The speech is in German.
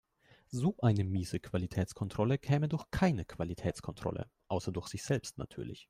So eine miese Qualitätskontrolle käme durch keine Qualitätskontrolle, außer durch sich selbst natürlich.